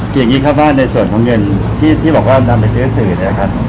คืออย่างนี้ครับว่าในส่วนของเงินที่บอกว่านำไปซื้อสื่อเนี่ยนะครับ